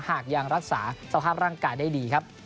หากยังรักษาสภาพร่างกายได้ดีครับ